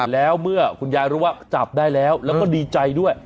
แล้วเมื่อคุณยายรู้ว่าจับได้แล้วแล้วก็ดีใจด้วย